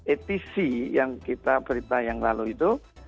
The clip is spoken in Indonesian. etc yang kita beritah yang lalu itu